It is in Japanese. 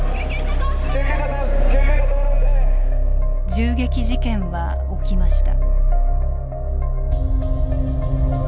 銃撃事件は起きました。